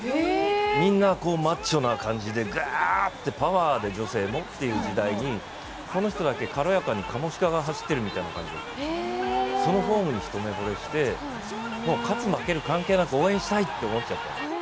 みんなマッチョな感じでパワーで女性もという時代にこの人だけ軽やかに、カモシカが走っているみたいな感じでそのフォームに一目ぼれして勝ち負け関係なくお会いしたいと思っちゃったです。